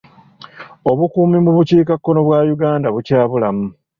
Obukuumi mu bukiikakkono bwa Uganda bukyabulamu.